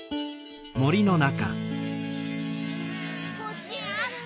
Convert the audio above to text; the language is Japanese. こっちあった？